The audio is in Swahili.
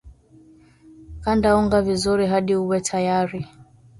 kanda unga vizuri hadi uwe tayari